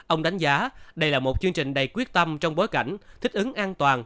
ông đánh giá đây là một chương trình đầy quyết tâm trong bối cảnh thích ứng an toàn